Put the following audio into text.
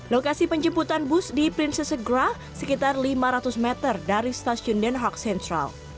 lokasi penjemputan bus di princess agra sekitar lima ratus meter dari stasiun den haag central